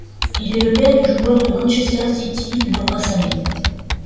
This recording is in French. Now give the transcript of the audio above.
Il est le père du joueur de Manchester City Leroy Sané.